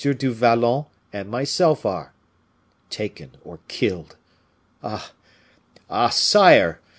du Vallon, and myself are. Taken or killed! Ah! Ah! sire!